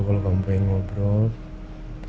kalau kamu pengen ngobrol